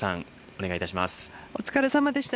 お願いします。